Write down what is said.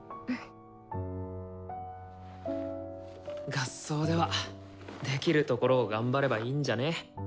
合奏ではできるところを頑張ればいいんじゃね？